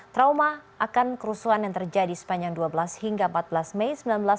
trauma akan kerusuhan yang terjadi sepanjang dua belas hingga empat belas mei seribu sembilan ratus empat puluh